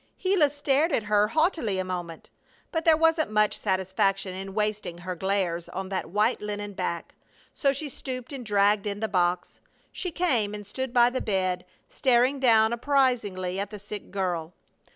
Gila stared at her haughtily a moment, but there wasn't much satisfaction in wasting her glares on that white linen back, so she stooped and dragged in the box. She came and stood by the bed, staring down apprizingly at the sick girl.